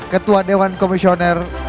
ketua dewan komisioner